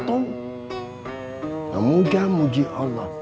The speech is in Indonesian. bagaimana si gua ini